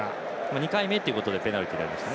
２回目ということでペナルティになりました。